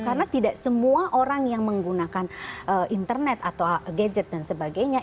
karena tidak semua orang yang menggunakan internet atau gadget dan sebagainya